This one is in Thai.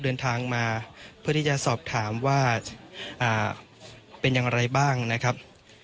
เดินทางมาเพื่อที่จะสอบถามว่าเป็นอย่างไรบ้างนะครับ